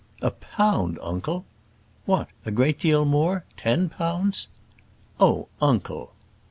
"A pound, uncle!" "What! a great deal more? Ten pounds?" "Oh, uncle."